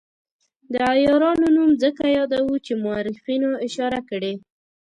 د عیارانو نوم ځکه یادوو چې مورخینو اشاره کړې.